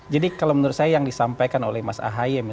jadi kalau menurut saya yang disampaikan oleh mas ahaye